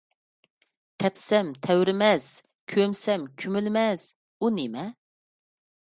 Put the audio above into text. « تەپسەم تەۋرىمەس ، كۆمسەم كۆمۇلمەس» ئۇ نىمە ؟